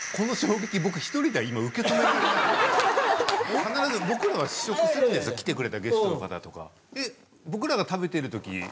必ず僕らは試食するんです来てくれたゲストの方とか。